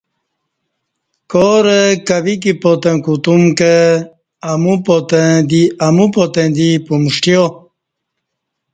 کارہ کویک پاتں کوتوم کہ امو پاتں دی پمݜٹیا